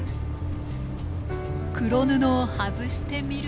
黒布を外してみると。